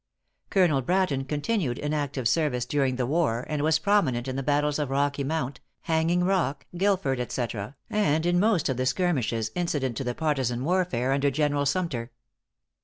Colonel Bratton continued in active service during the war, and was prominent in the battles of Rocky Mount, Hanging Rock, Guilford, etc., and in most of the skirmishes incident to the partisan warfare under General Sumter.